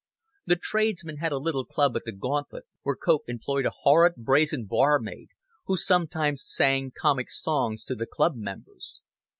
The tradesmen had a little club at the Gauntlet, where Cope employed a horrid brazen barmaid who sometimes sang comic songs to the club members.